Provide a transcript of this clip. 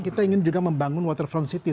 kita ingin juga membangun waterfront city